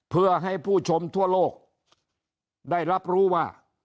เพื่อให้ผู้ชมทั่วโลกได้รับรู้ว่า